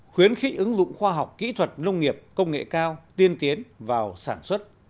khuyến khích ứng dụng khoa học kỹ thuật nông nghiệp công nghệ cao tiên tiến vào sản xuất